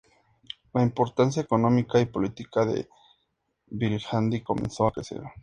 La importancia económica y política de Viljandi comenzó a crecer.